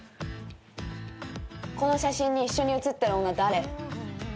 この写真に一緒に写ってる女誰？